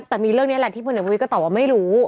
แต่มีเรื่องนี้แหละที่พลเอกประวิทย์ก็ตอบว่าไม่รู้